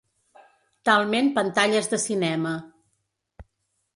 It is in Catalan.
Talment pantalles de cinema.